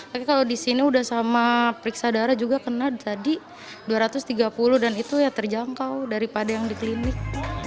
tapi kalau di sini udah sama periksa darah juga kena tadi dua ratus tiga puluh dan itu ya terjangkau daripada yang di klinik